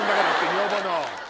女房の。